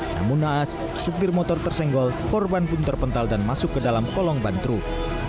namun naas supir motor tersenggol korban pun terpental dan masuk ke dalam kolong ban truk